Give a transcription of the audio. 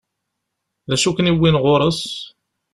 D acu i ken-iwwin ɣur-s?